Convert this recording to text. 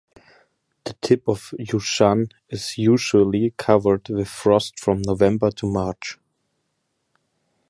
The tip of Yushan is usually covered with frost from November to March.